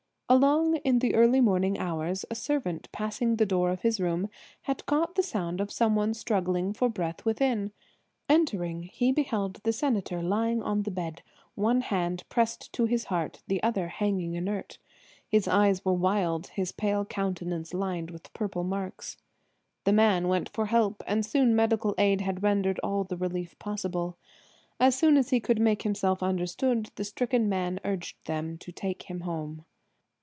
Along in the early morning hours a servant passing the door of his room had caught the sound of some one struggling for breath within. Entering, he beheld the Senator lying on the bed, one hand pressed to his heart, the other hanging inert. His eyes were wild, his pale countenance lined with purple marks. The man went for help and soon medical aid had rendered all the relief possible. As soon as he could make himself understood the stricken man urged them to take him home.